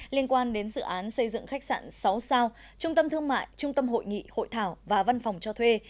liên quan đến dự án xây dựng khách sạn sáu sao trung tâm thương mại trung tâm hội nghị hội thảo và văn phòng cho thuê